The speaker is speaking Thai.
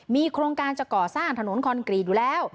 มีโครงการจะก่อสร้างถนนคอนกรีตอยู่แล้ว